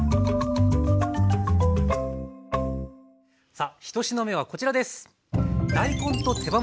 さあ１品目はこちらです。